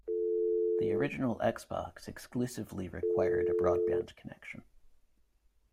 The original Xbox exclusively required a broadband connection.